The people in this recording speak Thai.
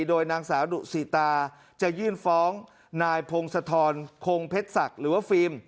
โดยนางสาวดุสิตาจะยื่นฟ้องนายพงศธรคงเพชรศักดิ์หรือว่าฟิล์ม